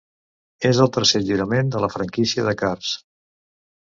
És el tercer lliurament de la franquícia de Cars.